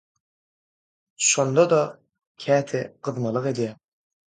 Şonda-da käte gyzmalyk edýäň